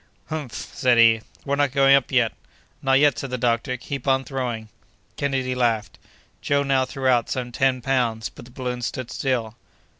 "Humph!" said he; "we're not going up yet." "Not yet," said the doctor. "Keep on throwing." Kennedy laughed. Joe now threw out some ten pounds, but the balloon stood still.